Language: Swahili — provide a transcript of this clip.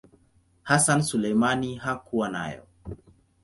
Hassan Suleiman hakuwa nayo.